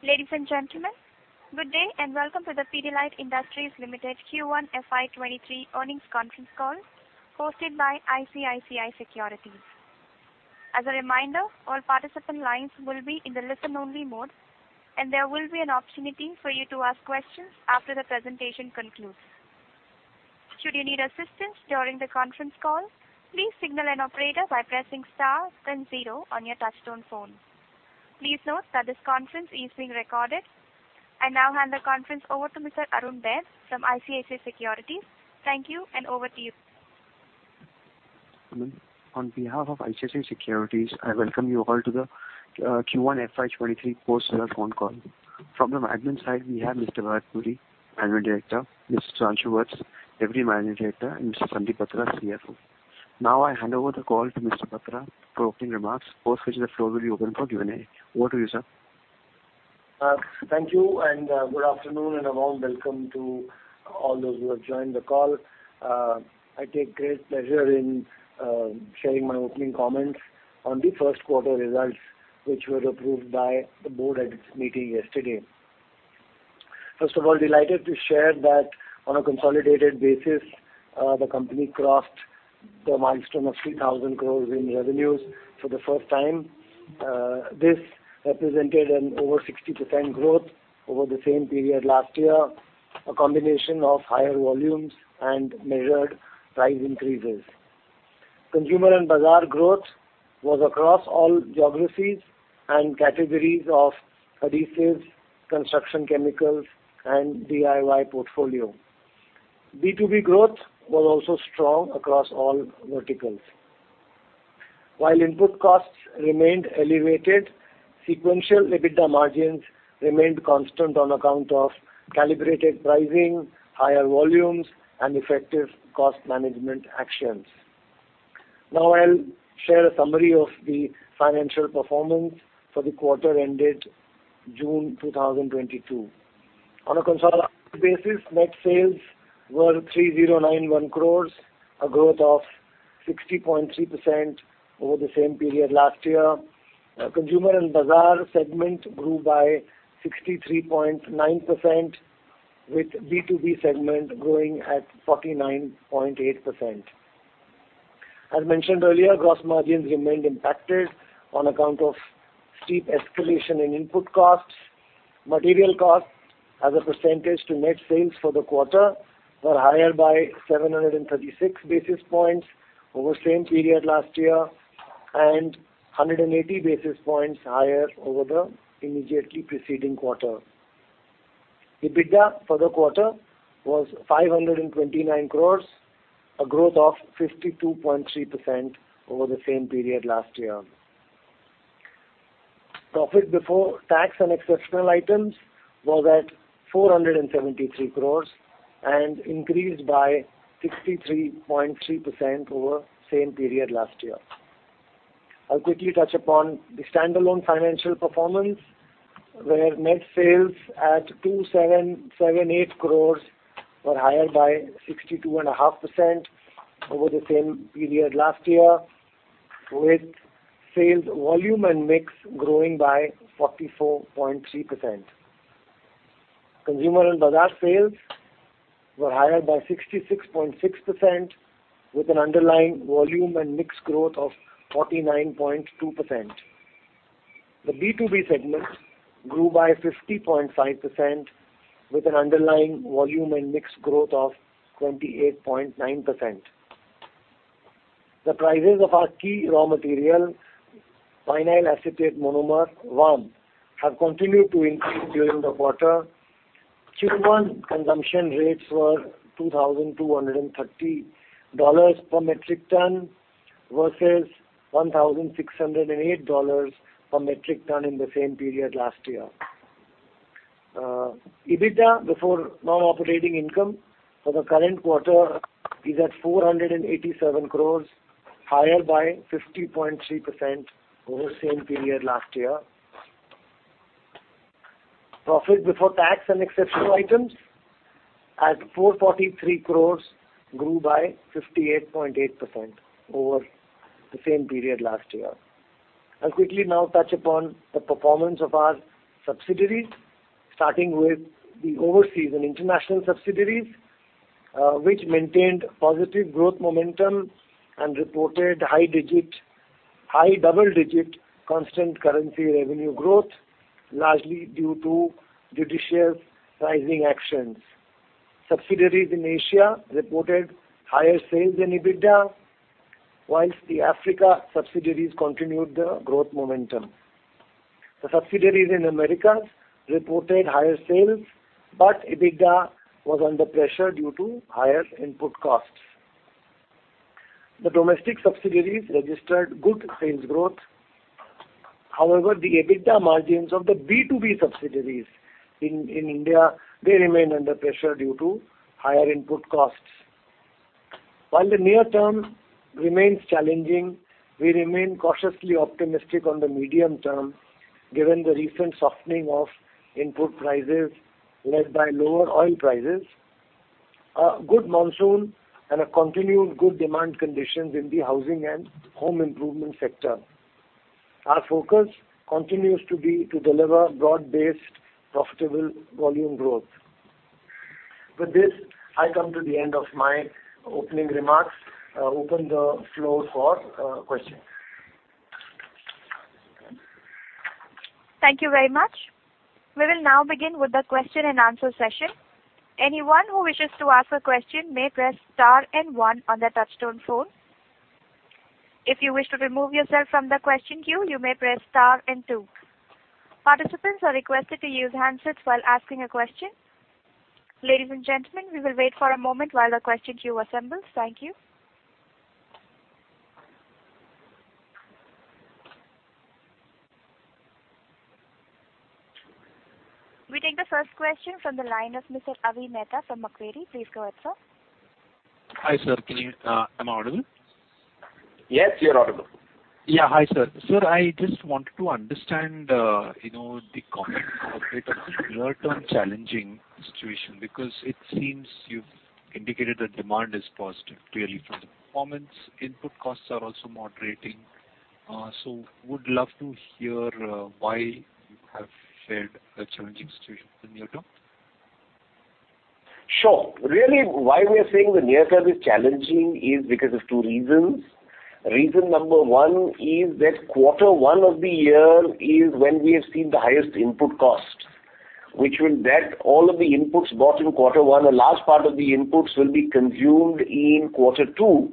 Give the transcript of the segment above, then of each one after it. Ladies and gentlemen, good day and welcome to the Pidilite Industries Limited Q1 FY2023 earnings conference call hosted by ICICI Securities. As a reminder, all participant lines will be in the listen-only mode, and there will be an opportunity for you to ask questions after the presentation concludes. Should you need assistance during the conference call, please signal an operator by pressing star then zero on your touchtone phone. Please note that this conference is being recorded. I now hand the conference over to Mr. Arun Baid from ICICI Securities. Thank you, and over to you. On behalf of ICICI Securities, I welcome you all to the Q1 FY23 post-results phone call. From the management side, we have Mr. Bharat Puri, Managing Director, Mr. Sudhanshu Vats, Deputy Managing Director, and Mr. Sandeep Batra, CFO. Now, I hand over the call to Mr. Batra for opening remarks, post which the floor will be open for Q&A. Over to you, sir. Thank you, and good afternoon, and a warm welcome to all those who have joined the call. I take great pleasure in sharing my opening comments on the first quarter results, which were approved by the board at its meeting yesterday. First of all, delighted to share that on a consolidated basis, the company crossed the milestone of 3,000 crore in revenues for the first time. This represented an over 60% growth over the same period last year, a combination of higher volumes and measured price increases. Consumer and Bazaar growth was across all geographies and categories of adhesives, construction chemicals, and DIY portfolio. B2B growth was also strong across all verticals. While input costs remained elevated, sequential EBITDA margins remained constant on account of calibrated pricing, higher volumes, and effective cost management actions. Now I'll share a summary of the financial performance for the quarter ended June 2022. On a consolidated basis, net sales were 3091 crores, a growth of 60.3% over the same period last year. Consumer and Bazaar segment grew by 63.9%, with B2B segment growing at 49.8%. As mentioned earlier, gross margins remained impacted on account of steep escalation in input costs. Material costs as a percentage to net sales for the quarter were higher by 736 basis points over same period last year and 180 basis points higher over the immediately preceding quarter. EBITDA for the quarter was 529 crores, a growth of 52.3% over the same period last year. Profit before tax and exceptional items was at 473 crore and increased by 63.3% over same period last year. I'll quickly touch upon the standalone financial performance, where net sales at 2,778 crore were higher by 62.5% over the same period last year, with sales volume and mix growing by 44.3%. Consumer and Bazaar sales were higher by 66.6% with an underlying volume and mix growth of 49.2%. The B2B segment grew by 50.5% with an underlying volume and mix growth of 28.9%. The prices of our key raw material, vinyl acetate monomer, VAM, have continued to increase during the quarter. Q1 consumption rates were $2,230 per metric ton versus $1,608 per metric ton in the same period last year. EBITDA before non-operating income for the current quarter is at 487 crores, higher by 50.3% over same period last year. Profit before tax and exceptional items at 443 crores grew by 58.8% over the same period last year. I'll quickly now touch upon the performance of our subsidiaries, starting with the overseas and international subsidiaries, which maintained positive growth momentum and reported high double-digit constant currency revenue growth, largely due to judicious pricing actions. Subsidiaries in Asia reported higher sales and EBITDA, while the Africa subsidiaries continued the growth momentum. The subsidiaries in Americas reported higher sales, but EBITDA was under pressure due to higher input costs. The domestic subsidiaries registered good sales growth. However, the EBITDA margins of the B2B subsidiaries in India, they remain under pressure due to higher input costs. While the near term remains challenging, we remain cautiously optimistic on the medium term given the recent softening of input prices led by lower oil prices. A good monsoon and a continued good demand conditions in the housing and home improvement sector. Our focus continues to be to deliver broad-based profitable volume growth. With this, I come to the end of my opening remarks. I open the floor for questions. Thank you very much. We will now begin with the question and answer session. Anyone who wishes to ask a question may press star and one on their touchtone phone. If you wish to remove yourself from the question queue, you may press star and two. Participants are requested to use handsets while asking a question. Ladies and gentlemen, we will wait for a moment while the question queue assembles. Thank you. We take the first question from the line of Mr. Avi Mehta from Macquarie. Please go ahead, sir. Hi, sir. Am I audible? Yes, you're audible. Yeah. Hi, sir. Sir, I just wanted to understand, you know, the comment of bit of a near-term challenging situation, because it seems you've indicated that demand is positive, clearly from the performance. Input costs are also moderating. Would love to hear, why you have said a challenging situation in near-term. Sure. Really, why we are saying the near-term is challenging is because of two reasons. Reason number one is that quarter one of the year is when we have seen the highest input costs, that all of the inputs bought in quarter one, a large part of the inputs will be consumed in quarter two.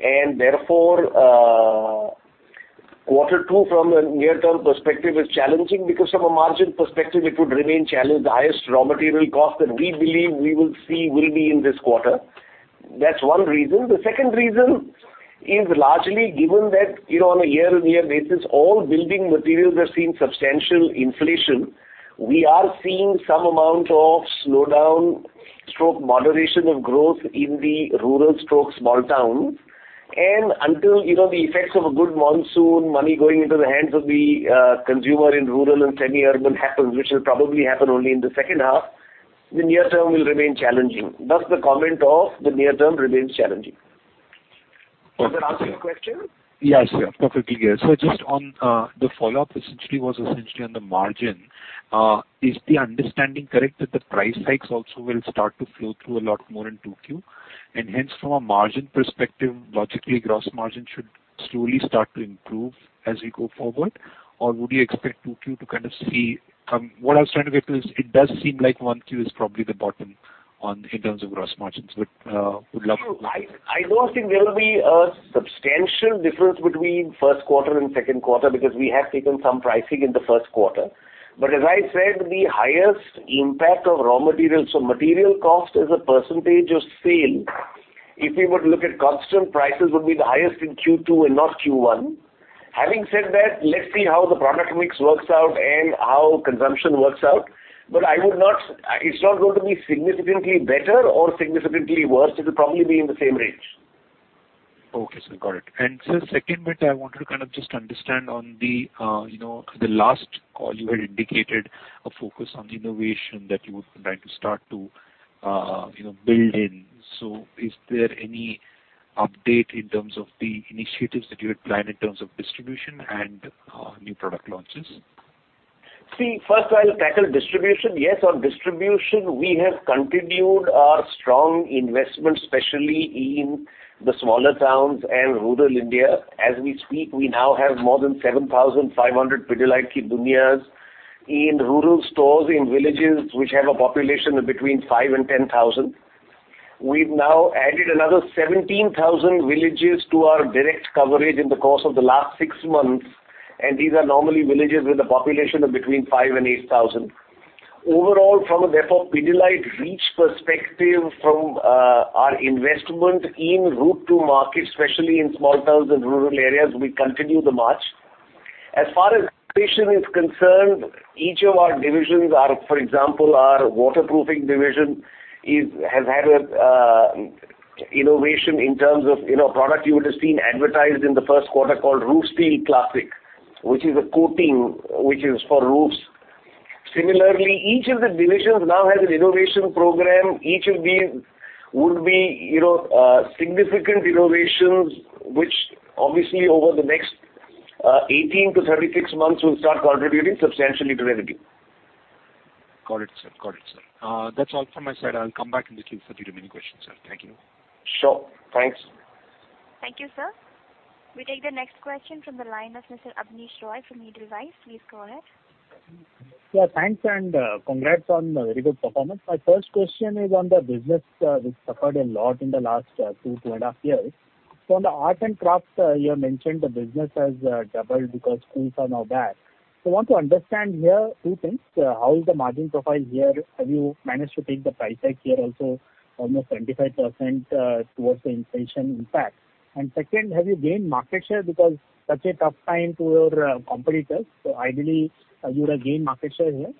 Therefore, quarter two from a near-term perspective is challenging because from a margin perspective it would remain challenging. The highest raw material cost that we believe we will see will be in this quarter. That's one reason. The second reason is largely given that, you know, on a year-on-year basis, all building materials have seen substantial inflation. We are seeing some amount of slowdown/moderation of growth in the rural/small towns. Until, you know, the effects of a good monsoon, money going into the hands of the consumer in rural and semi-urban happens, which will probably happen only in the second half, the near term will remain challenging. Thus, the comment of the near term remains challenging. Okay. Does that answer your question? Yes, yeah. Perfectly clear. Just on the follow-up essentially was essentially on the margin. Is the understanding correct that the price hikes also will start to flow through a lot more in 2Q? Hence from a margin perspective, logically gross margin should slowly start to improve as we go forward. Would you expect 2Q to kind of see what I was trying to get to is it does seem like 1Q is probably the bottom on, in terms of gross margins. Would love- I don't think there will be a substantial difference between first quarter and second quarter because we have taken some pricing in the first quarter. As I said, the highest impact of raw materials or material cost as a percentage of sale, if we were to look at constant prices, would be the highest in Q2 and not Q1. Having said that, let's see how the product mix works out and how consumption works out. It's not going to be significantly better or significantly worse. It'll probably be in the same range. Okay, sir. Got it. Sir, second bit I wanted to kind of just understand on the, you know, the last call you had indicated a focus on innovation that you were trying to start to, you know, build in. Is there any update in terms of the initiatives that you had planned in terms of distribution and, new product launches? See, first I'll tackle distribution. Yes, on distribution, we have continued our strong investment, especially in the smaller towns and rural India. As we speak, we now have more than 7,500 Pidilite ki Duniya in rural stores in villages which have a population of between 5,000 and 10,000. We've now added another 17,000 villages to our direct coverage in the course of the last six months, and these are normally villages with a population of between 5,000 and 8,000. Overall, from a therefore Pidilite reach perspective from, our investment in route to market, especially in small towns and rural areas, we continue the march. As far as innovation is concerned, each of our divisions are, for example, our waterproofing division has had an innovation in terms of, you know, product you would have seen advertised in the first quarter called Roofseal Classic, which is a coating which is for roofs. Similarly, each of the divisions now has an innovation program. Each of these would be, you know, significant innovations, which obviously over the next 18-36 months will start contributing substantially to revenue. Got it, sir. That's all from my side. I'll come back in the queue for the remaining questions, sir. Thank you. Sure. Thanks. Thank you, sir. We take the next question from the line of Mr. Abneesh Roy from Edelweiss. Please go ahead. Yeah, thanks, congrats on a very good performance. My first question is on the business, which suffered a lot in the last two and a half years. On the arts and crafts, you have mentioned the business has doubled because schools are now back. I want to understand here two things. How is the margin profile here? Have you managed to take the price hike here also almost 25%, towards the inflation impact? And second, have you gained market share because such a tough time for your competitors? Ideally, have you gained market share here?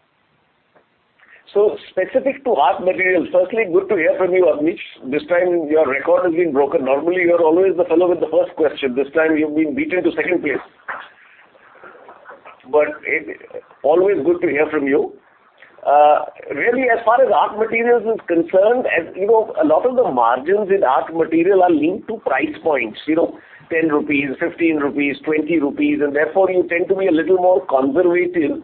Specific to Art Materials, firstly, good to hear from you, Abneesh. This time your record has been broken. Normally, you're always the fellow with the first question. This time you've been beaten to second place. It's always good to hear from you. Really, as far as art materials is concerned, as you know, a lot of the margins in art material are linked to price points, you know, 10 rupees, 15 rupees, 20 rupees, and therefore you tend to be a little more conservative.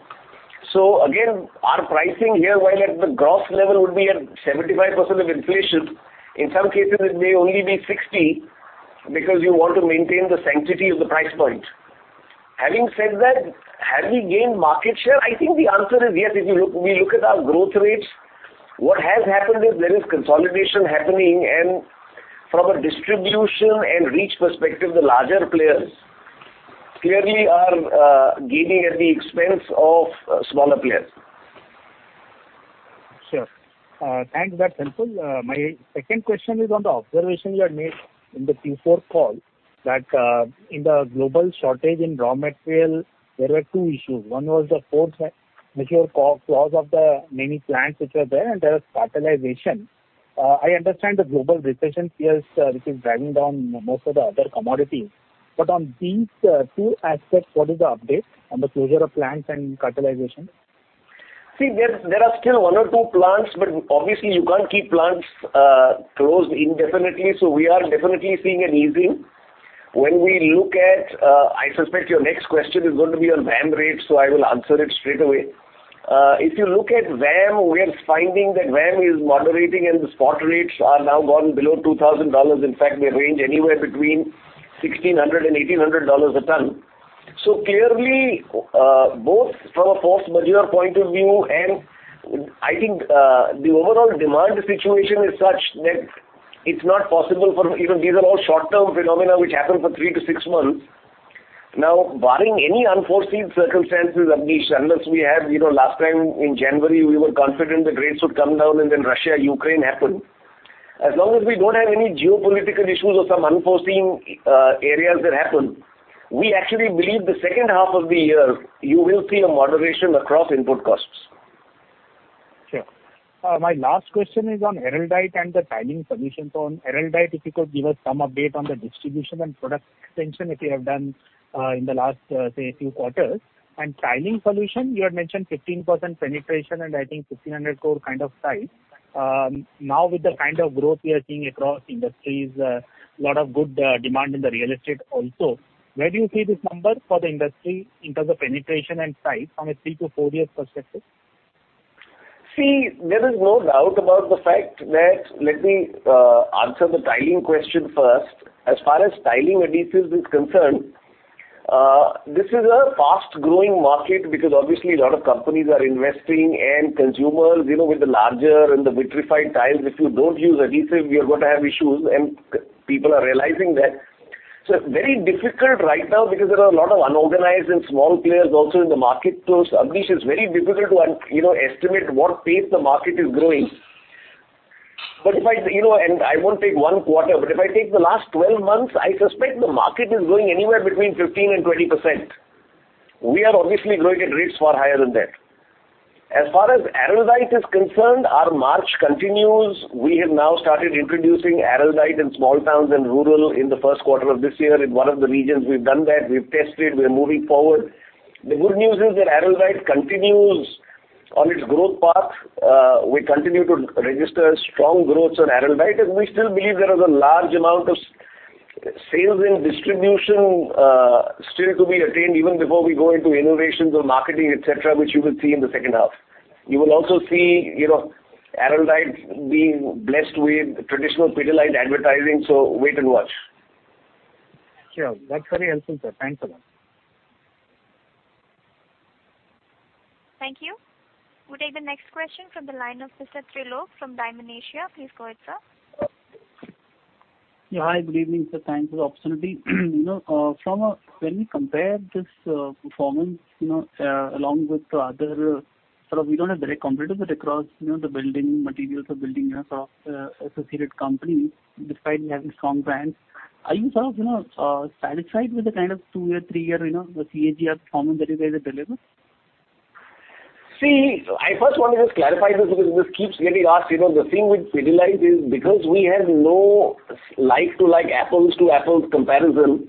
Again, our pricing here, while at the gross level would be at 75% of inflation, in some cases it may only be 60% because you want to maintain the sanctity of the price point. Having said that, have we gained market share? I think the answer is yes. We look at our growth rates, what has happened is there is consolidation happening, and from a distribution and reach perspective, the larger players clearly are gaining at the expense of smaller players. Sure. Thanks. That's helpful. My second question is on the observation you had made in the Q4 call that in the global shortage in raw material, there were two issues. One was the force majeure clause of the many plants which were there, and there was cartelization. I understand the global recession fears, which is driving down most of the other commodities. On these two aspects, what is the update on the closure of plants and cartelization? There are still one or two plants, but obviously you can't keep plants closed indefinitely, so we are definitely seeing an easing. I suspect your next question is going to be on VAM rates, so I will answer it straight away. If you look at VAM, we are finding that VAM is moderating and the spot rates are now gone below $2,000. In fact, they range anywhere between $1,600 and $1,800 a ton. Clearly, both from a force majeure point of view and I think, the overall demand situation is such that it's not possible for, you know, these are all short-term phenomena which happen for three to six months. Now, barring any unforeseen circumstances, Abhi, unless we have, you know, last time in January, we were confident the rates would come down and then Russia-Ukraine happened. As long as we don't have any geopolitical issues or some unforeseen areas that happen, we actually believe the second half of the year you will see a moderation across input costs. Sure. My last question is on Araldite and the tiling solution. On Araldite, if you could give us some update on the distribution and product extension that you have done, in the last, say few quarters. Tiling solution, you had mentioned 15% penetration and I think 1,600 crore kind of size. Now with the kind of growth we are seeing across industries, a lot of good, demand in the real estate also, where do you see these numbers for the industry in terms of penetration and size from a three to four year perspective? Let me answer the tiling question first. As far as tiling adhesives is concerned, this is a fast growing market because obviously a lot of companies are investing and consumers, you know, with the larger and the vitrified tiles, if you don't use adhesive, you're gonna have issues, and people are realizing that. It's very difficult right now because there are a lot of unorganized and small players also in the market. Abneesh, it's very difficult to, you know, estimate what pace the market is growing. If I, you know, and I won't take one quarter, but if I take the last 12 months, I suspect the market is growing anywhere between 15%-20%. We are obviously growing at rates far higher than that. As far as Araldite is concerned, our march continues. We have now started introducing Araldite in small towns and rural in the first quarter of this year. In one of the regions we've done that, we've tested, we're moving forward. The good news is that Araldite continues on its growth path. We continue to register strong growth on Araldite, and we still believe there is a large amount of sales and distribution still to be attained even before we go into innovations or marketing, et cetera, which you will see in the second half. You will also see, you know, Araldite being blessed with traditional Pidilite advertising. Wait and watch. Sure. That's very helpful, sir. Thanks a lot. Thank you. We'll take the next question from the line of Mr. Trilok from Dymon Asia. Please go ahead, sir. Yeah. Hi. Good evening, sir. Thanks for the opportunity. You know, when we compare this performance, you know, along with other. Sir, we don't have direct competitors, but across, you know, the building materials or building, you know, sort of associated companies, despite we having strong brands. Are you sort of, you know, satisfied with the kind of two-year, three-year, you know, the CAGR performance that you guys have delivered? See, I first want to just clarify this because this keeps getting asked. You know, the thing with Pidilite is because we have no like-for-like, apples-to-apples comparison,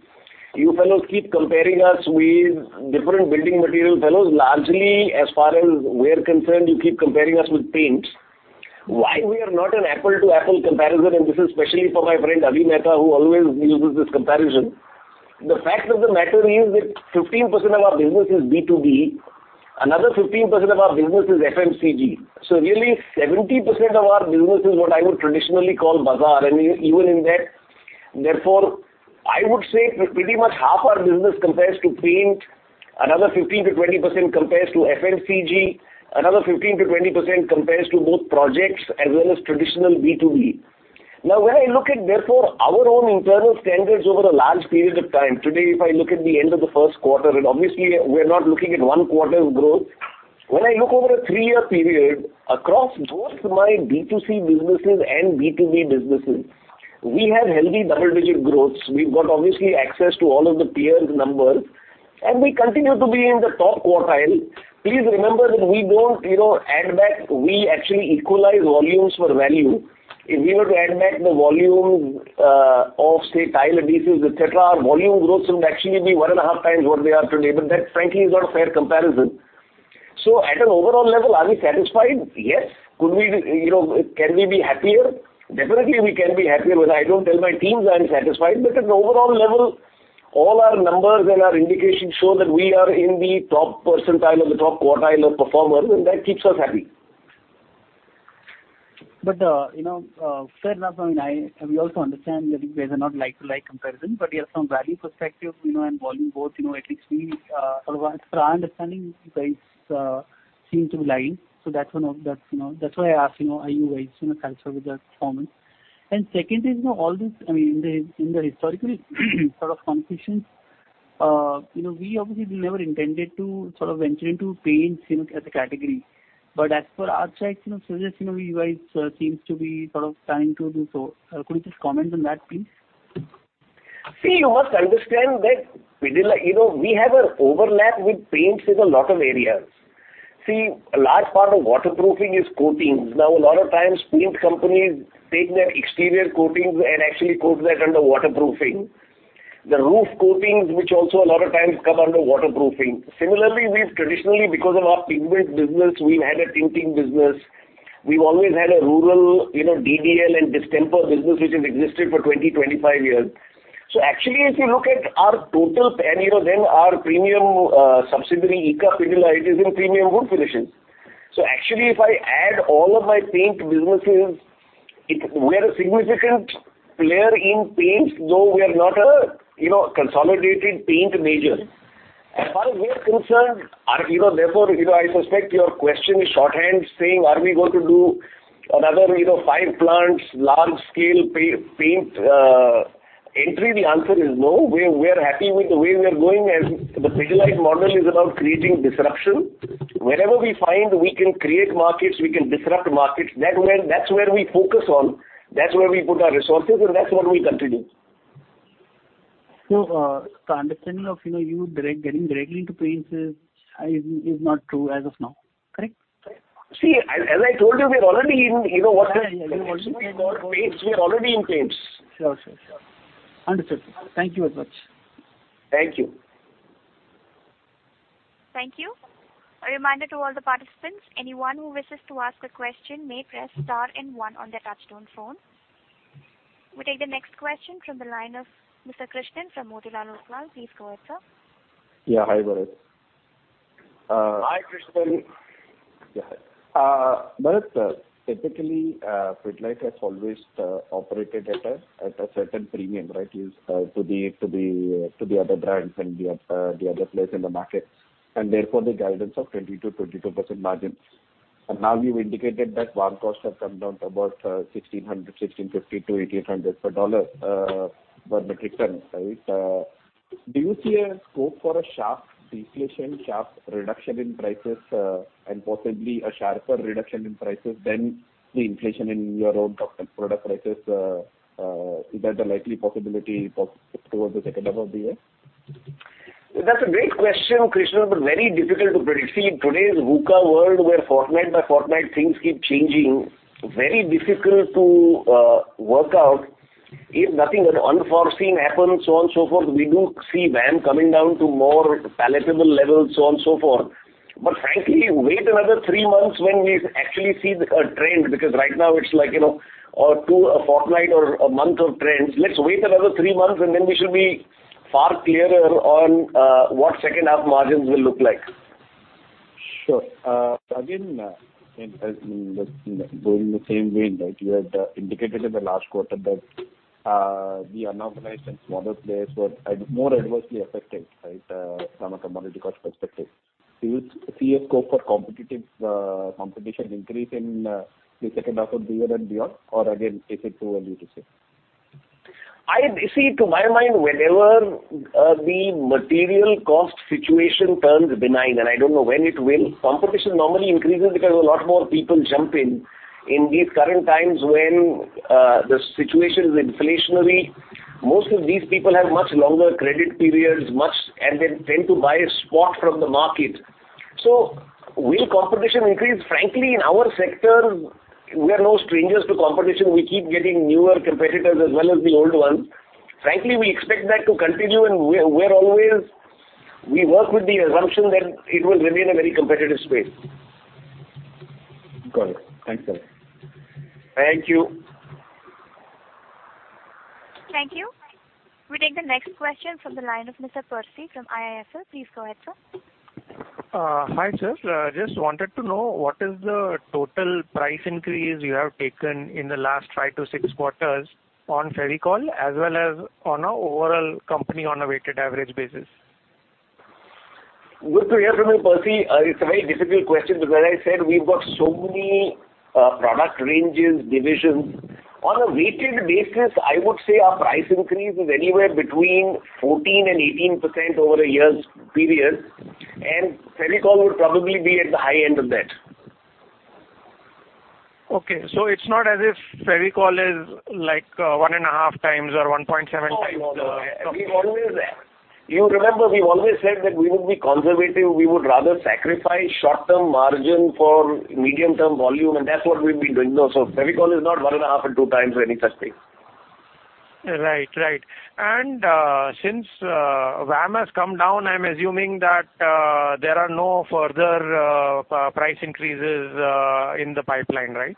you fellows keep comparing us with different building material fellows. Largely, as far as we're concerned, you keep comparing us with paint. Why we are not an apple-to-apple comparison, and this is especially for my friend Avi Mehta, who always uses this comparison. The fact of the matter is that 15% of our business is B2B. Another 15% of our business is FMCG. So really 70% of our business is what I would traditionally call bazaar, and even in that. Therefore, I would say pretty much half our business compares to paint. Another 15%-20% compares to FMCG. Another 15%-20% compares to both projects as well as traditional B2B. Now, when I look at, therefore, our own internal standards over a large period of time, today if I look at the end of the first quarter, and obviously we're not looking at one quarter's growth. When I look over a three-year period across both my B2C businesses and B2B businesses, we have healthy double-digit growths. We've got obviously access to all of the peers' numbers, and we continue to be in the top quartile. Please remember that we don't, you know, add back. We actually equalize volumes for value. If we were to add back the volume of, say, tile adhesives, et cetera, our volume growth would actually be one and a half times what they are today. But that frankly is not a fair comparison. At an overall level, are we satisfied? Yes. Could we, you know, can we be happier? Definitely, we can be happier. I don't tell my teams I'm satisfied. At an overall level, all our numbers and our indications show that we are in the top percentile or the top quartile of performers, and that keeps us happy. Fair enough. I mean, we also understand that you guys are not like-for-like comparison, but from value perspective, you know, and volume both, you know, at least for our understanding, you guys seem to be lagging. That's why I ask, you know, are you guys in a culture with that performance? Second is, you know, all this, I mean, in the historical sort of competition, you know, we obviously never intended to sort of venture into paints, you know, as a category. But as per our checks, you know, suggest you guys seem to be sort of planning to do so. Could you just comment on that, please? See, you must understand that Pidilite, you know, we have an overlap with paints in a lot of areas. See, a large part of waterproofing is coatings. Now, a lot of times paint companies take their exterior coatings and actually call that under waterproofing. The roof coatings, which also a lot of times come under waterproofing. Similarly, we've traditionally, because of our pigments business, we've had a tinting business. We've always had a rural, you know, DDL and distemper business which has existed for 20-25 years. Actually, if you look at our total, and, you know, then our premium subsidiary, ICA Pidilite, is in premium wood position. Actually, if I add all of my paint businesses, we're a significant player in paints, though we are not a, you know, consolidated paint major. As far as we're concerned, you know, therefore, you know, I suspect your question is shorthand saying, are we going to do another, you know, five plants, large scale paint entry? The answer is no. We're happy with the way we are going. As the Pidilite model is about creating disruption. Wherever we find we can create markets, we can disrupt markets. That's where we focus on. That's where we put our resources and that's what we continue. The understanding of, you know, getting directly into paints is not true as of now, correct? See, as I told you, we're already in, you know, water- Yeah, yeah. You know, paints. We are already in paints. Sure. Understood. Thank you very much. Thank you. Thank you. A reminder to all the participants. Anyone who wishes to ask a question may press star and one on their touchtone phone. We take the next question from the line of Mr. Krishnan from Motilal Oswal. Please go ahead, sir. Yeah. Hi, Bharat. Hi, Krishnan. Bharat, sir, typically Pidilite has always operated at a certain premium, right? Is to the other brands and the other players in the market, and therefore the guidance of 20%-22% margins. Now you've indicated that raw costs have come down to about $1,600, $1,650-$1,800 per dollar per metric ton. Right? Do you see a scope for a sharp deflation, sharp reduction in prices, and possibly a sharper reduction in prices than the inflation in your own top line product prices? Is that a likely possibility towards the second half of the year? That's a great question, Krishnan, but very difficult to predict. See, in today's VUCA world, where fortnight by fortnight things keep changing, very difficult to work out if nothing, you know, unforeseen happens, so on and so forth. We do see VAM coming down to more palatable levels, so on and so forth. Frankly, wait another three months when we actually see the trend, because right now it's like, you know, two, a fortnight or a month of trends. Let's wait another three months and then we should be far clearer on what second half margins will look like. Sure. Again, in the same vein that you had indicated in the last quarter that the unorganized and smaller players were more adversely affected, right? From a commodity cost perspective. Do you see a scope for increased competition in the second half of the year and beyond or again, is it too early to say? See, to my mind, whenever the material cost situation turns benign, and I don't know when it will, competition normally increases because a lot more people jump in. In these current times when the situation is inflationary, most of these people have much longer credit periods. They tend to buy spot from the market. Will competition increase? Frankly, in our sector, we are no strangers to competition. We keep getting newer competitors as well as the old ones. Frankly, we expect that to continue. We work with the assumption that it will remain a very competitive space. Got it. Thanks, sir. Thank you. Thank you. We take the next question from the line of Mr. Percy from IIFL. Please go ahead, sir. Hi, sir. Just wanted to know what is the total price increase you have taken in the last five to six quarters on Fevicol as well as on an overall company on a weighted average basis? Good to hear from you, Percy. It's a very difficult question because as I said, we've got so many product ranges, divisions. On a weighted basis, I would say our price increase is anywhere between 14% and 18% over a year's period, and Fevicol would probably be at the high end of that. Okay. It's not as if Fevicol is like 1.5 times or 1.7 times the- No, no. We always. You remember we've always said that we would be conservative. We would rather sacrifice short-term margin for medium-term volume, and that's what we've been doing though. Fevicol is not 1.5 or 2 times or any such thing. Right. Since VAM has come down, I'm assuming that there are no further price increases in the pipeline, right?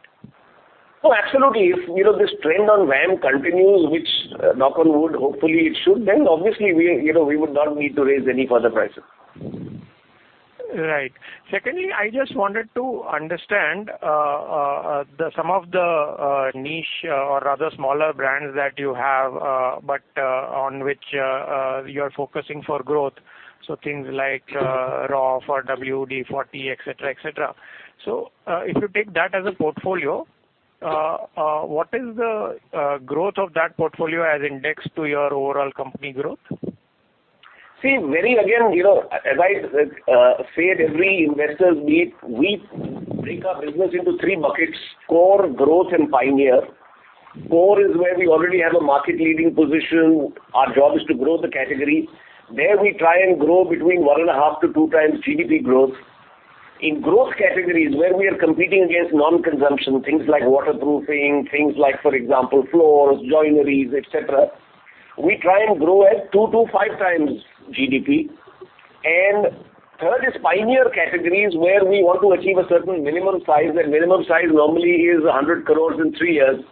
Oh, absolutely. If, you know, this trend on VAM continues, which, knock on wood, hopefully it should, then obviously we, you know, we would not need to raise any further prices. Right. Secondly, I just wanted to understand some of the niche or rather smaller brands that you have but on which you are focusing for growth, so things like Roff for WD-40, et cetera. If you take that as a portfolio, what is the growth of that portfolio as indexed to your overall company growth? See, you know, as I said every investors meet, we break our business into three buckets. Core, growth, and pioneer. Core is where we already have a market-leading position. Our job is to grow the category. There we try and grow between 1.5-2 times GDP growth. In growth categories, where we are competing against non-consumption, things like waterproofing, things like, for example, floors, joineries, et cetera, we try and grow at 2-5 times GDP. Third is pioneer categories where we want to achieve a certain minimum size. That minimum size normally is 100 crores in three years.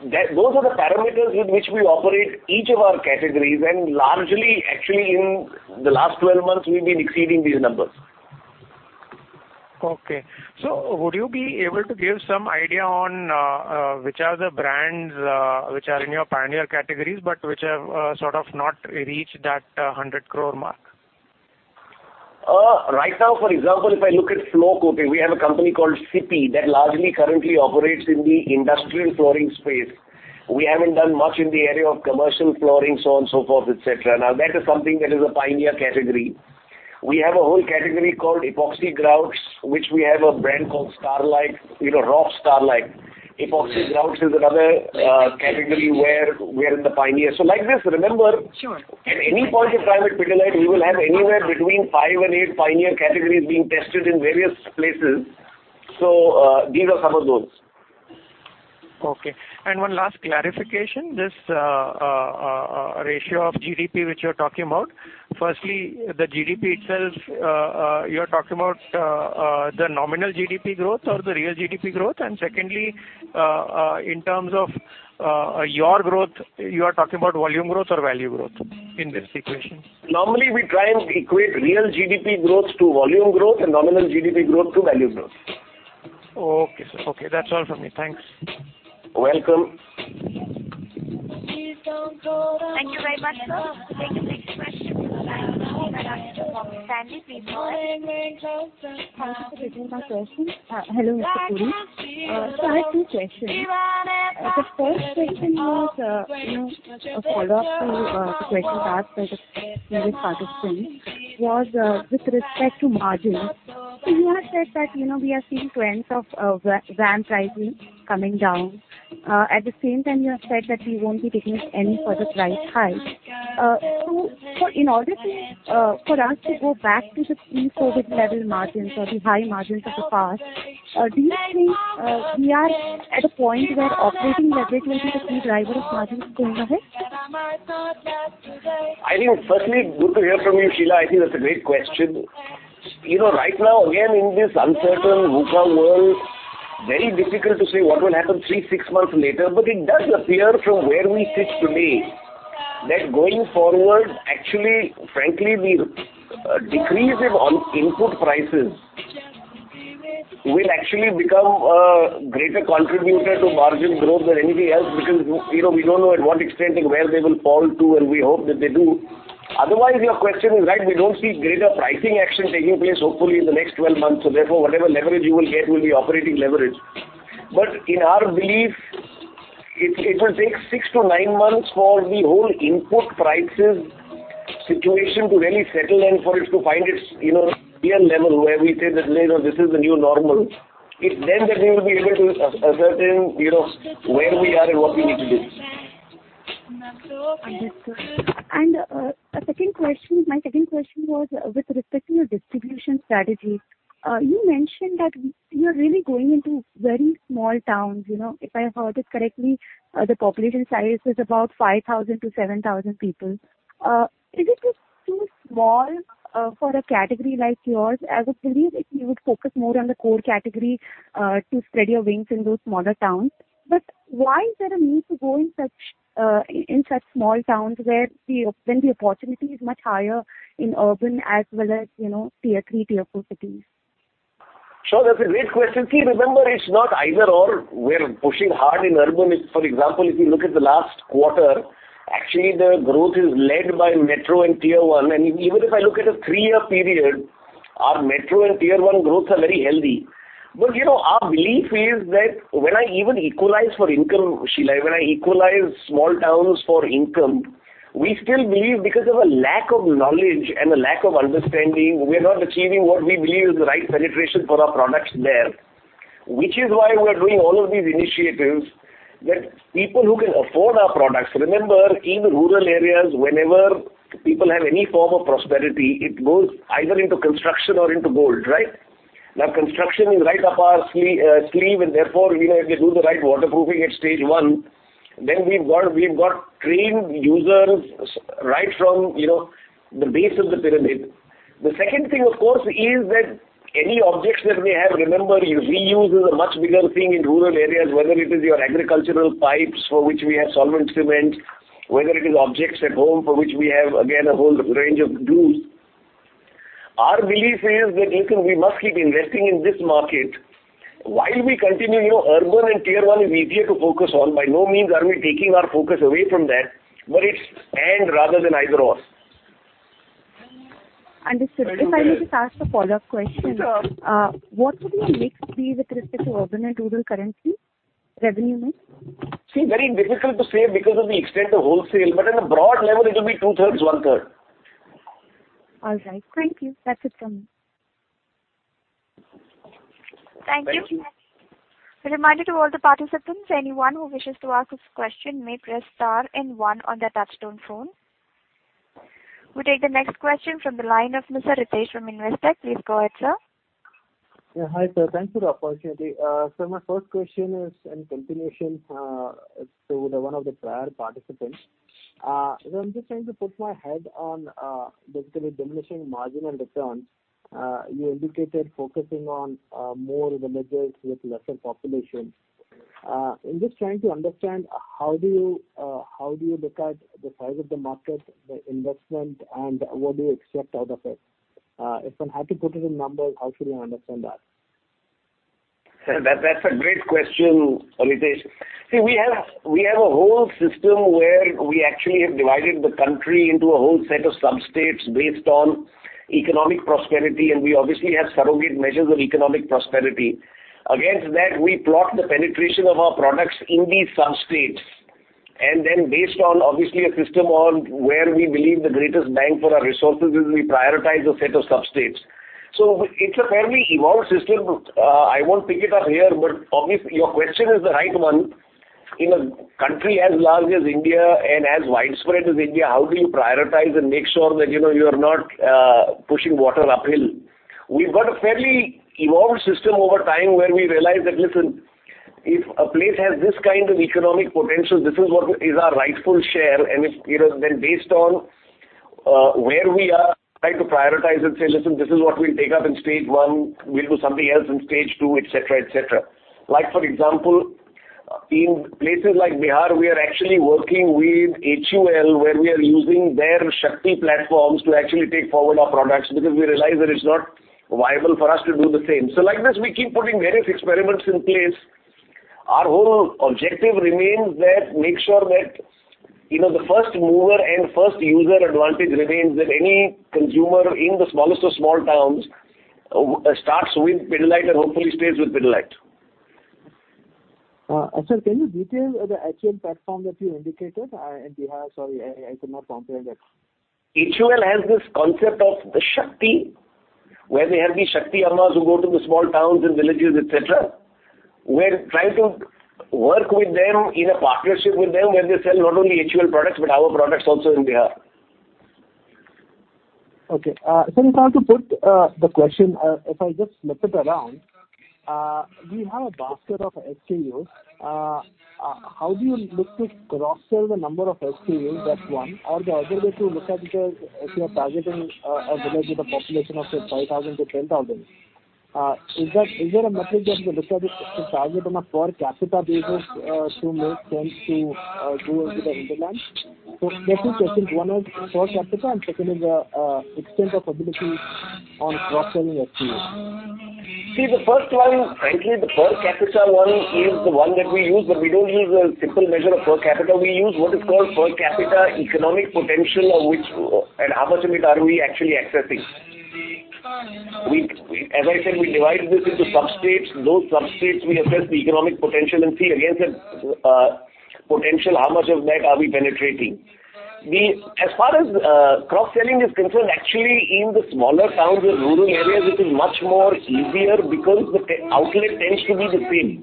Those are the parameters with which we operate each of our categories. Largely, actually, in the last 12 months, we've been exceeding these numbers. Would you be able to give some idea on which are the brands which are in your pioneer categories, but which have sort of not reached that 100 crore mark? Right now, for example, if I look at floor coating, we have a company called Cipy that largely currently operates in the industrial flooring space. We haven't done much in the area of commercial flooring, so on and so forth, et cetera. Now, that is something that is a pioneer category. We have a whole category called epoxy grouts, which we have a brand called Roff Starlike. You know, Roff Starlike. Epoxy grouts is another category where we are in the pioneer. So like this, Sure. At any point of time at Pidilite, we will have anywhere between five and eight pioneer categories being tested in various places. These are some of those. Okay. One last clarification. This, ratio of GDP which you're talking about. Firstly, the GDP itself, you're talking about, the nominal GDP growth or the real GDP growth? Secondly, in terms of, your growth, you are talking about volume growth or value growth in this equation? Normally, we try and equate real GDP growth to volume growth and nominal GDP growth to value growth. Okay. Okay, that's all from me. Thanks. Welcome. Thank you very much, sir. Thank you. The next question comes in from Sheela Rathi. Thank you for taking my question. Hello, Mr. Puri. I have two questions. The first question, you know, a follow-up to the questions asked by the previous participant, was with respect to margins. You have said that, you know, we are seeing trends of VAM pricing coming down. At the same time, you have said that we won't be taking any further price hikes. In order for us to go back to the pre-COVID level margins or the high margins of the past, do you think we are at a point where operating leverage will be the key driver of margins going ahead? I think firstly, good to hear from you, Sheela. I think that's a great question. You know, right now, again, in this uncertain VUCA world, very difficult to say what will happen three, six months later. It does appear from where we sit today that going forward, actually, frankly, the decrease in input prices will actually become a greater contributor to margin growth than anything else, because, you know, we don't know to what extent and where they will fall to, and we hope that they do. Otherwise, your question is right. We don't see greater pricing action taking place, hopefully in the next 12 months, so therefore whatever leverage you will get will be operating leverage. In our belief, it will take six to nine months for the whole input prices situation to really settle and for it to find its, you know, real level where we say that, "Hey, you know, this is the new normal." It's then that we will be able to ascertain, you know, where we are and what we need to do. Understood. The second question was with respect to your distribution strategy. You mentioned that you're really going into very small towns. You know, if I heard it correctly, the population size is about 5,000-7,000 people. Is it just too small for a category like yours? I would believe if you would focus more on the core category to spread your wings in those smaller towns. Why is there a need to go in such small towns when the opportunity is much higher in urban as well as, you know, tier three, tier four cities? Sure. That's a great question. See, remember, it's not either/or. We're pushing hard in urban. For example, if you look at the last quarter, actually the growth is led by metro and tier one. Even if I look at a three-year period, our metro and tier one growth are very healthy. You know, our belief is that when I even equalize for income, Sheela, we still believe because of a lack of knowledge and a lack of understanding, we're not achieving what we believe is the right penetration for our products there. Which is why we're doing all of these initiatives that people who can afford our products. Remember, in rural areas, whenever people have any form of prosperity, it goes either into construction or into gold, right? Now, construction is right up our sleeve, and therefore, you know, if they do the right waterproofing at stage one, then we've got trained users right from, you know, the base of the pyramid. The second thing, of course, is that any objects that we have, remember, reuse is a much bigger thing in rural areas, whether it is your agricultural pipes for which we have solvent cement, whether it is objects at home for which we have, again, a whole range of glues. Our belief is that, listen, we must keep investing in this market while we continue, you know, urban and tier one is easier to focus on. By no means are we taking our focus away from that, but it's and rather than either/or. Understood. If I may just ask a follow-up question. Sure. What would the mix be with respect to urban and rural currently? Revenue mix. See, very difficult to say because of the extent of wholesale, but on a broad level, it will be 2/3, 1/3. All right. Thank you. That's it from me. Thank you. Thank you. A reminder to all the participants, anyone who wishes to ask his question may press star and one on their touchtone phone. We take the next question from the line of Mr. Ritesh from Investec. Please go ahead, sir. Yeah, hi, sir. Thanks for the opportunity. My first question is in continuation to one of the prior participants. I'm just trying to put my head around basically diminishing marginal returns. You indicated focusing on more villages with lesser population. I'm just trying to understand how do you look at the size of the market, the investment, and what do you expect out of it? If one had to put it in numbers, how should we understand that? Sir, that's a great question, Ritesh. See, we have a whole system where we actually have divided the country into a whole set of substates based on economic prosperity, and we obviously have surrogate measures of economic prosperity. Against that, we plot the penetration of our products in these substates, and then based on obviously a system on where we believe the greatest bang for our resources is, we prioritize a set of substates. It's a fairly evolved system. I won't pick it up here, but Your question is the right one. In a country as large as India and as widespread as India, how do you prioritize and make sure that, you know, you're not pushing water uphill? We've got a fairly evolved system over time where we realize that, listen, if a place has this kind of economic potential, this is what is our rightful share. If, you know, then based on where we are, try to prioritize and say, "Listen, this is what we'll take up in stage one. We'll do something else in stage two," et cetera, et cetera. Like for example, in places like Bihar, we are actually working with HUL, where we are using their Shakti platforms to actually take forward our products because we realize that it's not viable for us to do the same. Like this, we keep putting various experiments in place. Our whole objective remains that make sure that, you know, the first mover and first user advantage remains, that any consumer in the smallest of small towns starts with Pidilite and hopefully stays with Pidilite. Sir, can you detail the HUL platform that you indicated in Bihar? Sorry, I could not comprehend it. HUL has this concept of the Shakti, where they have these Shakti Ammas who go to the small towns and villages, et cetera. We're trying to work with them in a partnership with them where they sell not only HUL products but our products also in Bihar. Okay. If I have to put the question, if I just flip it around, we have a basket of SKUs. How do you look to cross-sell the number of SKUs? That's one. The other way to look at it is if you are targeting a village with a population of, say, 5,000-10,000, is there a metric that you look at it to target on a per capita basis, to make sense to go into the hinterland? There are two questions. One is per capita, and second is extent of ability on cross-selling SKUs. See, the first one, frankly, the per capita one is the one that we use, but we don't use a simple measure of per capita. We use what is called per capita economic potential of which, and how much of it are we actually accessing. As I said, we divide this into substates. Those substates, we assess the economic potential and see against that potential, how much of that are we penetrating. As far as cross-selling is concerned, actually in the smaller towns or rural areas it is much more easier because the outlet tends to be the same.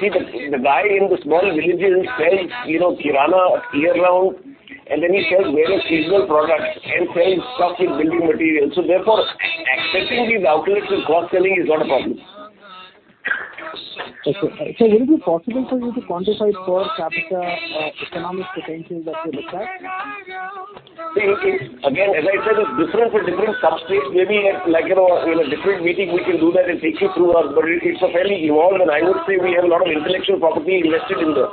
See, the guy in the small villages sells, you know, kirana year-round, and then he sells various seasonal products and sells stuff like building materials. So therefore, accessing these outlets with cross-selling is not a problem. Okay. Sir, will it be possible for you to quantify per capita economic potential that you look at? See, again, as I said, it's different for different substates. Maybe, like, you know, in a different meeting, we can do that and take you through our. It's a fairly evolved, and I would say we have a lot of intellectual property invested in there.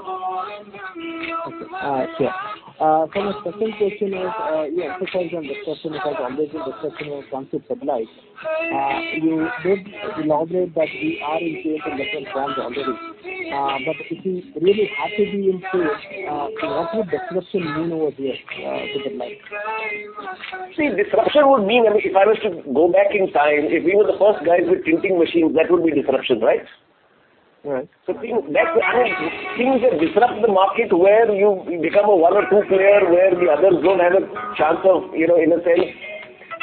Okay. Sure. My second question is, yeah, sorry on this question because obviously this question was asked to Pidilite. You did elaborate that we are in Tier 2, Tier 3 towns already. If you really have to be in tier, what would that question mean over there? See, disruption would mean, I mean, if I was to go back in time, if we were the first guys with printing machines, that would be disruption, right? Right. Things, that's why I mean things that disrupt the market where you become a one or two player, where the others don't have a chance of, you know, in a sense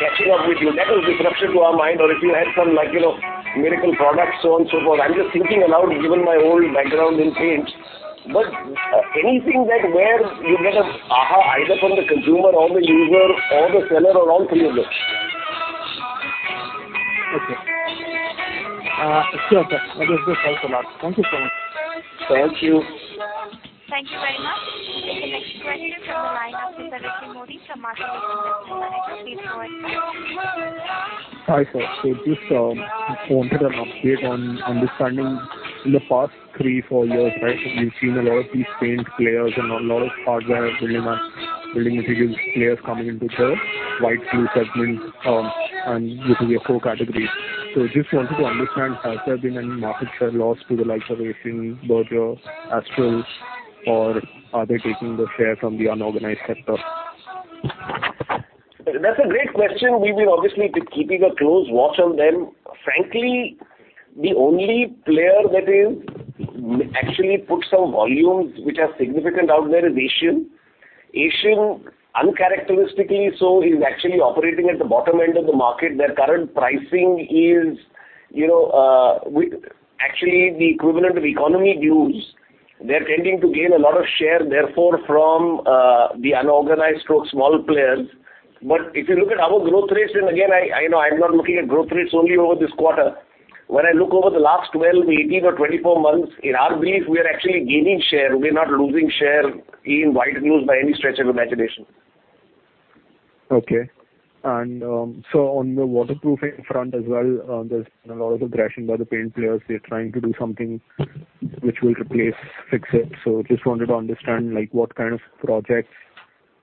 catching up with you. That is disruption in our mind. If you had some like, you know, miracle product, so on and so forth. I'm just thinking aloud, given my old background in paint. Anything that where you get an aha either from the consumer or the user or the seller or all three of them. Okay. It's clear, sir. That is good. Thanks a lot. Thank you so much. Thank you. Thank you very much. We'll take the next question from the line of Mr. Rishi Modi from Marcellus Investment Managers. Please go ahead, sir. Hi, sir. Just wanted an update on understanding in the past three to four years, right. We've seen a lot of these paint players and a lot of hardware building and building materials players coming into the white glue segment, and which is your core category. Just wanted to understand, has there been any market share loss to the likes of Asian Paints, Berger Paints, Astral, or are they taking the share from the unorganized sector? That's a great question. We've been obviously keeping a close watch on them. Frankly, the only player that is actually put some volumes which are significant out there is Asian Paints. Asian Paints uncharacteristically so is actually operating at the bottom end of the market. Their current pricing is, you know, actually the equivalent of economy dues. They're tending to gain a lot of share, therefore, from the unorganized/small players. If you look at our growth rates, and again, I know I'm not looking at growth rates only over this quarter. When I look over the last 12, 18 or 24 months, in our belief we are actually gaining share, we are not losing share in white glues by any stretch of imagination. On the waterproofing front as well, there's been a lot of aggression by the paint players. They're trying to do something which will replace Fixit. Just wanted to understand, like what kind of projects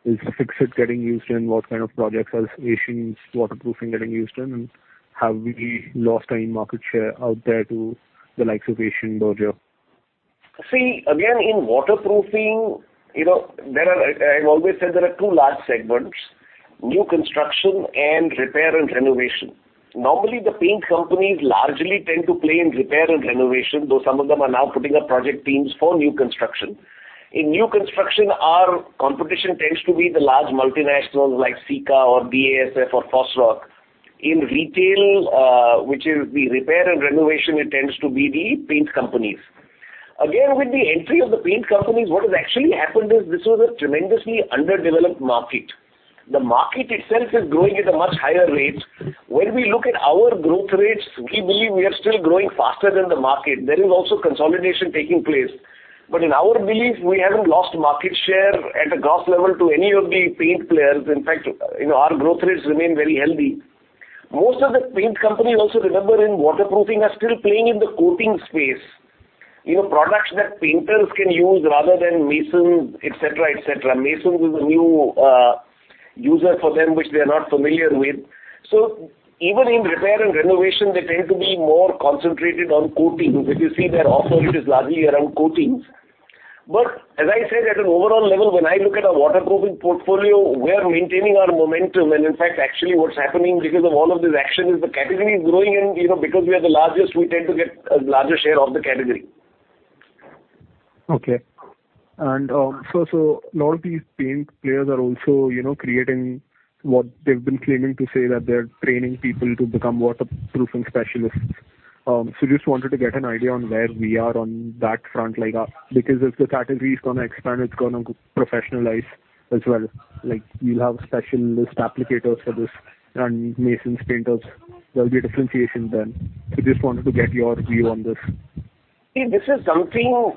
is Fixit getting used in, what kind of projects is Asian Paints' waterproofing getting used in, and have we lost any market share out there to the likes of Asian Paints, Berger Paints? See, again, in waterproofing, you know, there are I've always said there are two large segments, new construction and repair and renovation. Normally, the paint companies largely tend to play in repair and renovation, though some of them are now putting up project teams for new construction. In new construction, our competition tends to be the large multinationals like Sika or BASF or Fosroc. In retail, which is the repair and renovation, it tends to be the paint companies. Again, with the entry of the paint companies, what has actually happened is this was a tremendously underdeveloped market. The market itself is growing at a much higher rate. When we look at our growth rates, we believe we are still growing faster than the market. There is also consolidation taking place. In our belief, we haven't lost market share at a gross level to any of the paint players. In fact, you know, our growth rates remain very healthy. Most of the paint companies also, remember, in waterproofing are still playing in the coating space. You know, products that painters can use rather than masons, et cetera, et cetera. Masons is a new user for them, which they are not familiar with. Even in repair and renovation, they tend to be more concentrated on coatings. If you see their offer, it is largely around coatings. As I said, at an overall level, when I look at our waterproofing portfolio, we are maintaining our momentum. In fact, actually what's happening because of all of this action is the category is growing and, you know, because we are the largest, we tend to get a larger share of the category. Okay. A lot of these paint players are also, you know, creating what they've been claiming to say that they're training people to become waterproofing specialists. Just wanted to get an idea on where we are on that front, like, because as the category is gonna expand, it's gonna professionalize as well. Like you'll have specialist applicators for this and masons, painters. There'll be a differentiation then. Just wanted to get your view on this. See, this is something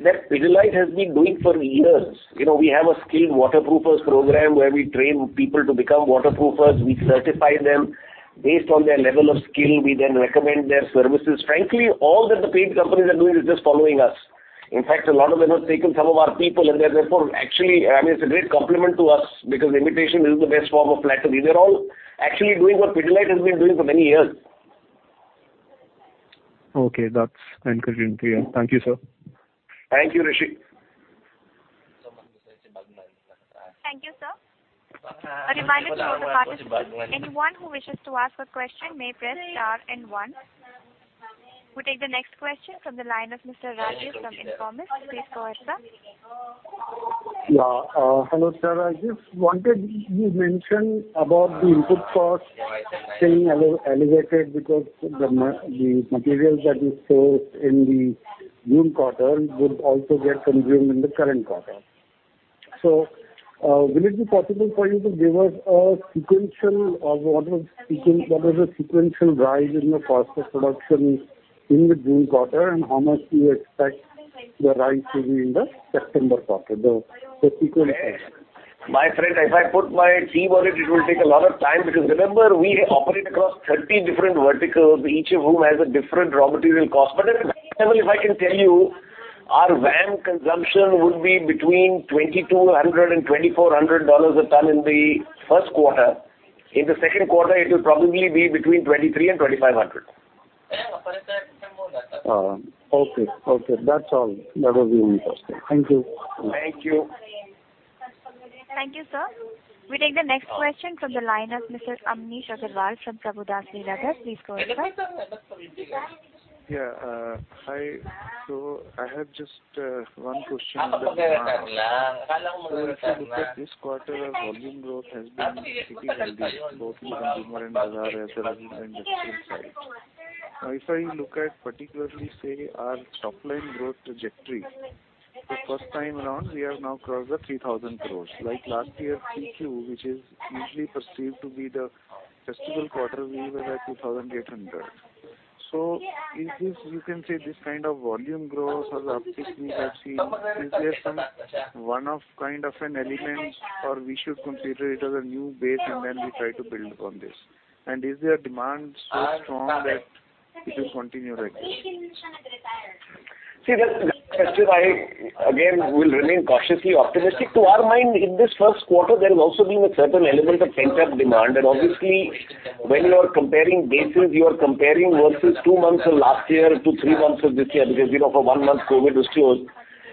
that Pidilite has been doing for years. You know, we have a skilled waterproofers' program where we train people to become waterproofers. We certify them based on their level of skill. We then recommend their services. Frankly, all that the paint companies are doing is just following us. In fact, a lot of them have taken some of our people, and they're therefore actually, I mean, it's a great compliment to us because imitation is the best form of flattery. They're all actually doing what Pidilite has been doing for many years. Okay. That's encouraging to hear. Thank you, sir. Thank you, Rishi. Thank you, sir. A reminder to all the participants, anyone who wishes to ask a question may press star and one. We'll take the next question from the line of Mr. Rajesh from Informist. Please go ahead, sir. Yeah. Hello, sir. I just wanted, you mentioned about the input cost being elevated because the materials that you stored in the June quarter would also get consumed in the current quarter. Will it be possible for you to give us a sequential of what was the sequential rise in the cost of production in the June quarter, and how much do you expect the rise to be in the September quarter, the sequential? My friend, if I put my team on it will take a lot of time because remember, we operate across 30 different verticals, each of whom has a different raw material cost. At a high level, if I can tell you, our VAM consumption would be between $2,200 and $2,400 a ton in the first quarter. In the second quarter, it will probably be between $2,300 and $2,500. Okay. Okay. That's all. That was the only question. Thank you. Thank you. Thank you, sir. We take the next question from the line of Mr. Amnish Aggarwal from Prabhudas Lilladher. Please go ahead, sir. Yeah. Hi. I have just one question. If you look at this quarter, volume growth has been pretty healthy, both in Consumer and Bazaar as well as on the industrial side. Now, if I look at particularly, say, our top line growth trajectory, the first time around, we have now crossed 3,000 crore. Like last year, 3Q, which is usually perceived to be the festival quarter, we were at 2,800 crore. Is this, you can say, this kind of volume growth or the uptick we have seen, some one-off kind of an element, or should we consider it as a new base and then try to build upon this? Is there demand so strong that it will continue like this? See, that question, I again will remain cautiously optimistic. To our mind, in this first quarter there has also been a certain element of pent-up demand. Obviously, when you are comparing bases, you are comparing versus two months of last year to three months of this year because, you know, for one month, COVID was closed.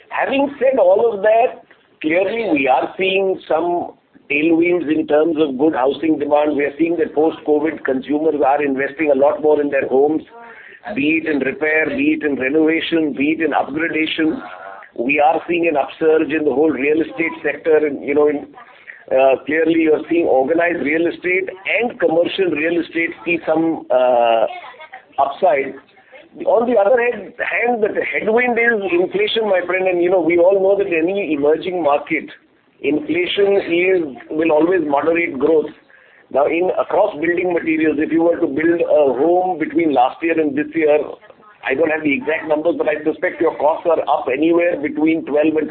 Having said all of that, clearly we are seeing some tailwinds in terms of good housing demand. We are seeing that post-COVID, consumers are investing a lot more in their homes, be it in repair, be it in renovation, be it in up-gradation. We are seeing an upsurge in the whole real estate sector. You know, clearly you're seeing organized real estate and commercial real estate see some upside. On the other hand, the headwind is inflation, my friend, and, you know, we all know that any emerging market, inflation will always moderate growth. Now, across building materials, if you were to build a home between last year and this year, I don't have the exact numbers, but I suspect your costs are up anywhere between 12%-25%.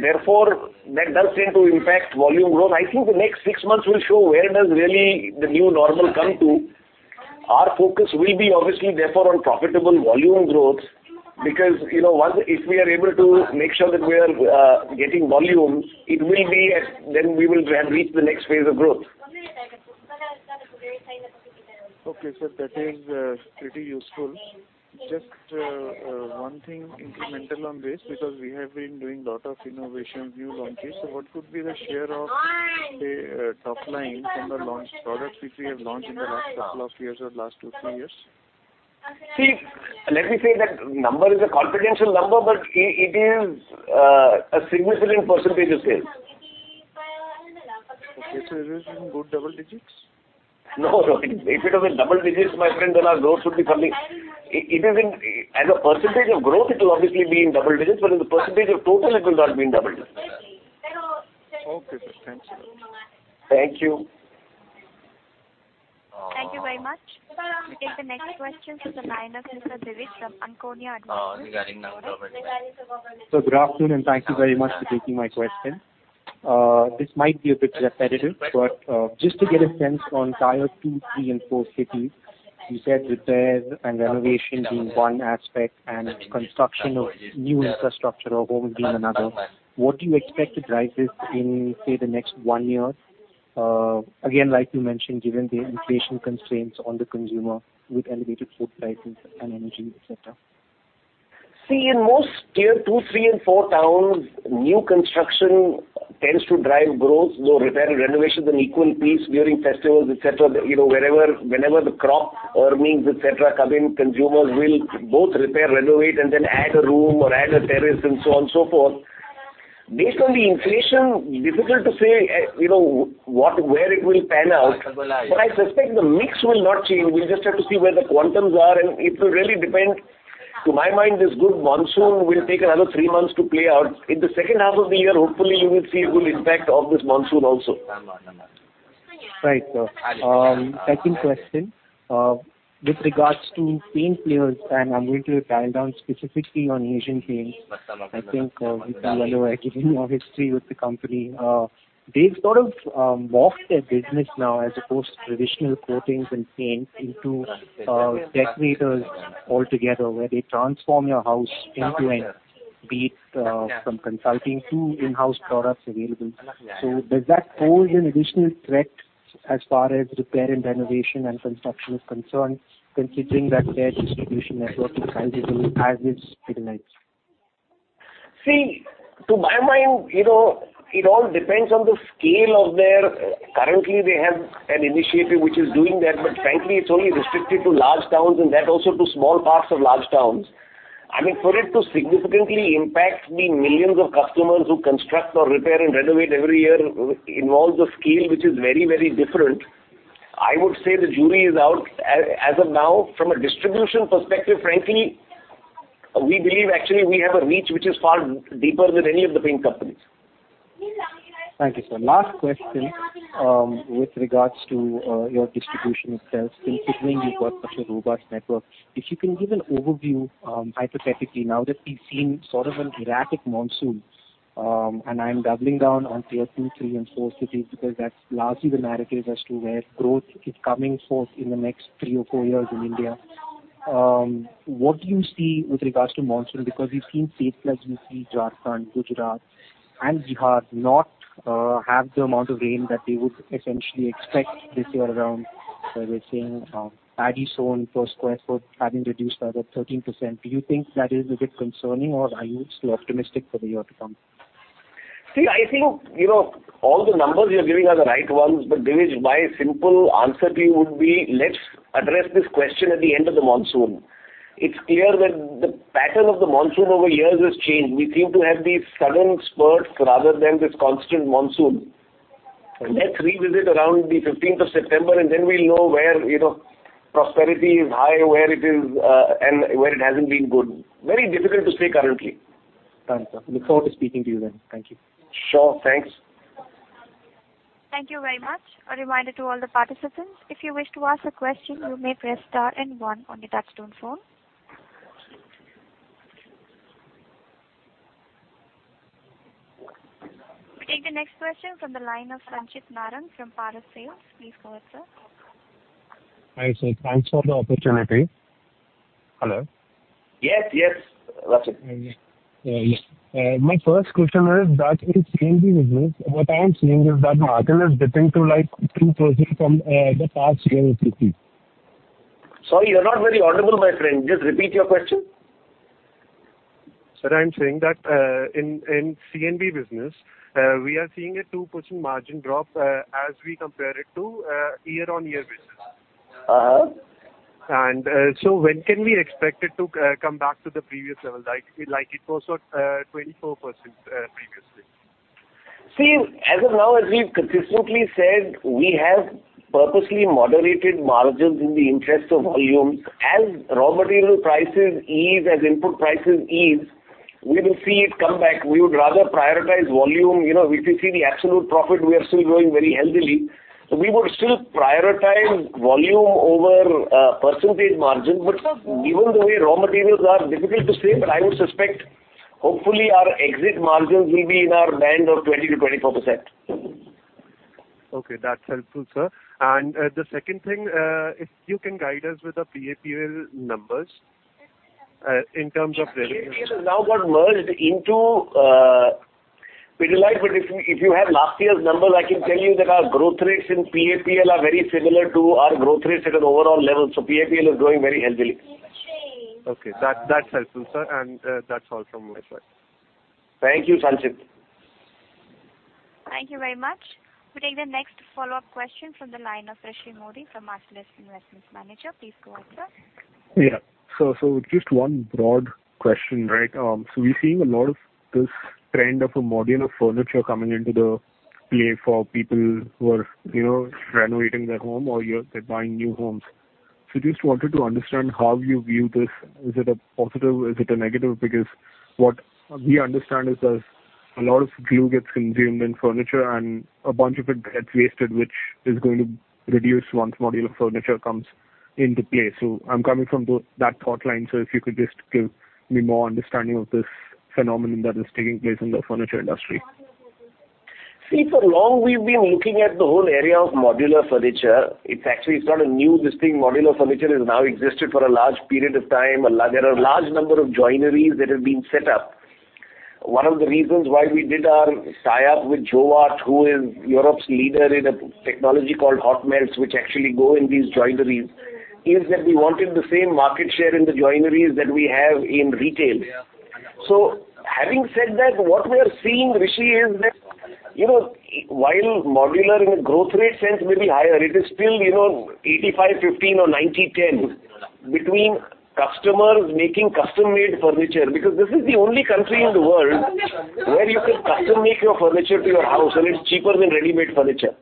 Therefore, that does seem to impact volume growth. I think the next six months will show where does really the new normal come to. Our focus will be obviously therefore on profitable volume growth because, you know, if we are able to make sure that we are getting volume, then we will have reached the next phase of growth. Okay, sir. That is pretty useful. Just one thing incremental on this, because we have been doing lot of innovation, new launches. What could be the share of, say, top line from the launched products which we have launched in the last couple of years or last two, three years? See, let me say that number is a confidential number, but it is a significant percentage of sales. Okay. It is in good double digits? No, no. If it was double digits, my friend, then our growth would be coming. As a percentage of growth, it will obviously be in double digits, but in the percentage of total, it will not be in double digits. Okay, sir. Thank you. Thank you. Thank you very much. We take the next question from the line of Mr. Divij from Ankhonia Advisors. Please go ahead. Sir, good afternoon, and thank you very much for taking my question. This might be a bit repetitive, but just to get a sense on Tier 2, 3 and 4 cities, you said repairs and renovation being one aspect and construction of new infrastructure or homes being another. What do you expect the drivers in, say, the next one year, again, like you mentioned, given the inflation constraints on the consumer with elevated food prices and energy, et cetera? See, in most tier two, three and four towns, new construction tends to drive growth, though repair and renovation is an equal piece during festivals, et cetera. You know, whenever the crop earnings, et cetera, come in, consumers will both repair, renovate and then add a room or add a terrace and so on and so forth. Based on the inflation, difficult to say, you know, where it will pan out, but I suspect the mix will not change. We'll just have to see where the quantums are, and it will really depend. To my mind, this good monsoon will take another three months to play out. In the second half of the year, hopefully we will see a good impact of this monsoon also. Right, sir. Second question. With regards to paint players, and I'm going to drill down specifically on Asian Paints. I think, you and I given our history with the company. They've sort of morphed their business now as opposed to traditional coatings and paints into decorators altogether, where they transform your house into end, be it from consulting to in-house products available. Does that pose an additional threat as far as repair and renovation and construction is concerned, considering that their distribution network is arguably as good as paints? See, to my mind, you know, it all depends on. Currently they have an initiative which is doing that, but frankly, it's only restricted to large towns and that also to small parts of large towns. I mean, for it to significantly impact the millions of customers who construct or repair and renovate every year involves a scale which is very, very different. I would say the jury is out. As of now, from a distribution perspective, frankly, we believe actually we have a reach which is far deeper than any of the paint companies. Thank you, sir. Last question, with regards to your distribution itself, considering you've got such a robust network. If you can give an overview, hypothetically now that we've seen sort of an erratic monsoon, and I'm doubling down on tier two, three and four cities because that's largely the narrative as to where growth is coming forth in the next three or four years in India. What do you see with regards to monsoon? Because we've seen states like UP, Jharkhand, Gujarat and Bihar not have the amount of rain that they would essentially expect this year around, where we're seeing bags sold per sq ft having reduced by 13%. Do you think that is a bit concerning or are you still optimistic for the year to come? See, I think, you know, all the numbers you're giving are the right ones. Dhiraj, my simple answer to you would be, let's address this question at the end of the monsoon. It's clear that the pattern of the monsoon over years has changed. We seem to have these sudden spurts rather than this constant monsoon. Let's revisit around the fifteenth of September, and then we'll know where, you know, prosperity is high, where it is, and where it hasn't been good. Very difficult to say currently. Got it, sir. Look forward to speaking to you then. Thank you. Sure. Thanks. Thank you very much. A reminder to all the participants. If you wish to ask a question, you may press star and one on your touchtone phone. We take the next question from the line of Sanchit Narang from Paras Sales. Please go ahead, sir. Hi, sir. Thanks for the opportunity. Hello? Yes, yes. Sanchit. Yes. My first question is that in C&B business, what I am seeing is that margin is dipping to, like, 2% from the past year or two years. Sorry, you're not very audible, my friend. Just repeat your question. Sir, I'm saying that, in C&B business, we are seeing a 2% margin drop, as we compare it to year-on-year basis. Uh-huh. When can we expect it to come back to the previous level? Like, it was, what, 24%, previously. See, as of now, as we've consistently said, we have purposely moderated margins in the interest of volume. As raw material prices ease, as input prices ease, we will see it come back. We would rather prioritize volume. You know, if you see the absolute profit, we are still growing very healthily. We would still prioritize volume over percentage margin. Given the way raw materials are, difficult to say, but I would suspect, hopefully, our exit margins will be in our range of 20%-24%. Okay, that's helpful, sir. The second thing, if you can guide us with the PAPL numbers, in terms of their- PAPL has now got merged into Pidilite. If you have last year's numbers, I can tell you that our growth rates in PAPL are very similar to our growth rates at an overall level. PAPL is growing very healthily. Okay. That's helpful, sir. That's all from my side. Thank you, Sanchit. Thank you very much. We take the next follow-up question from the line of Rishi Mody from Marcellus Investment Managers. Please go ahead, sir. Yeah. Just one broad question, right? We're seeing a lot of this trend of a modular furniture coming into the play for people who are, you know, renovating their home or they're buying new homes. Just wanted to understand how you view this. Is it a positive? Is it a negative? Because what we understand is there's a lot of glue gets consumed in furniture and a bunch of it gets wasted, which is going to reduce once modular furniture comes into play. I'm coming from that thought line. If you could just give me more understanding of this phenomenon that is taking place in the furniture industry. See, for long we've been looking at the whole area of modular furniture. It's actually, it's not a new listing. Modular furniture has now existed for a large period of time. There are a large number of joineries that have been set up. One of the reasons why we did our tie-up with Jowat, who is Europe's leader in a technology called hot melts, which actually go in these joineries, is that we wanted the same market share in the joineries that we have in retail. Having said that, what we are seeing, Rishi, is that, you know, while modular in a growth rate sense may be higher, it is still, you know, 85/15 or 90/10 between customers making custom-made furniture. Because this is the only country in the world where you can custom make your furniture to your house, and it's cheaper than ready-made furniture.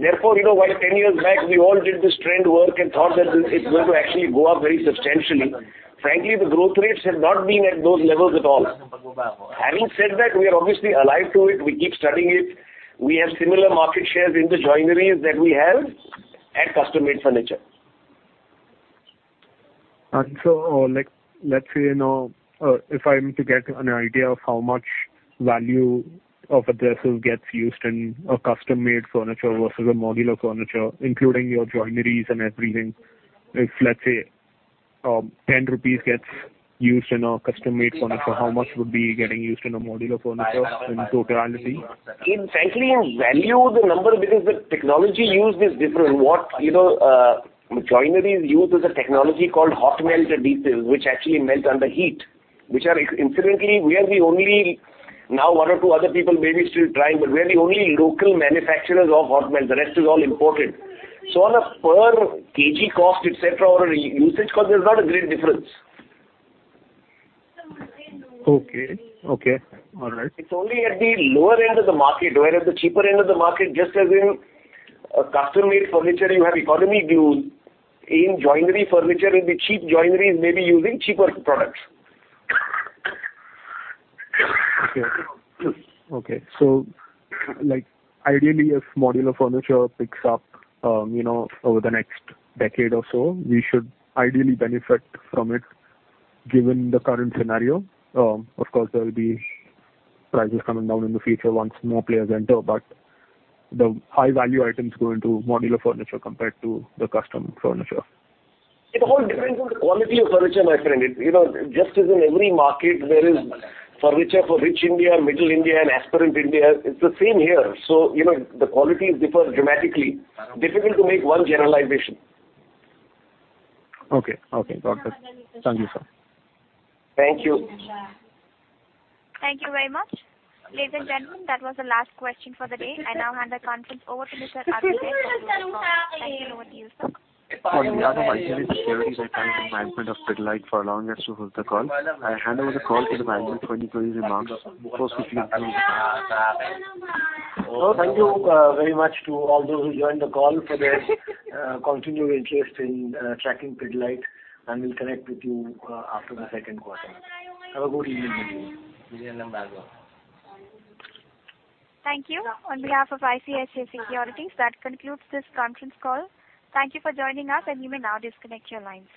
Therefore, you know, while 10 years back, we all did this trend work and thought that this is going to actually go up very substantially, frankly, the growth rates have not been at those levels at all. Having said that, we are obviously alive to it. We keep studying it. We have similar market shares in the joineries that we have at custom-made furniture. Like, let's say, you know, if I'm to get an idea of how much value of adhesives gets used in a custom-made furniture versus a modular furniture, including your joineries and everything. If, let's say, 10 rupees gets used in a custom-made furniture, how much would be getting used in a modular furniture in totality? In fact, frankly, in value, the number, because the technology used is different. What, you know, joineries use is a technology called hot melt adhesives, which actually melt under heat, which are, incidentally, we are the only. Now one or two other people may be still trying, but we are the only local manufacturers of hot melt. The rest is all imported. On a per kg cost, et cetera, or a usage cost, there's not a great difference. Okay. All right. It's only at the lower end of the market, where at the cheaper end of the market, just as in a custom-made furniture, you have economy glues. In joinery furniture, in the cheap joineries, maybe using cheaper products. Okay. Like, ideally if modular furniture picks up, you know, over the next decade or so, we should ideally benefit from it given the current scenario. Of course, there will be prices coming down in the future once more players enter, but the high value items go into modular furniture compared to the custom furniture. It all depends on the quality of furniture, my friend. You know, just as in every market there is furniture for rich India, middle India, and aspirant India, it's the same here. You know, the quality differs dramatically. Difficult to make one generalization. Okay. Got that. Thank you, sir. Thank you. Thank you very much. Ladies and gentlemen, that was the last question for the day. I now hand the conference over to Mr. Arun Baid from ICICI Securities. Thank you. Over to you, sir. On behalf of ICICI Securities, I thank the management of Pidilite for allowing us to host the call. I hand over the call to the management for any closing remarks before concluding the call. Thank you very much to all those who joined the call for their continued interest in tracking Pidilite, and we'll connect with you after the second quarter. Have a good evening, everyone. Thank you. On behalf of ICICI Securities, that concludes this conference call. Thank you for joining us, and you may now disconnect your lines.